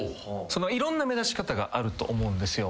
いろんな目立ち方があると思うんですよ。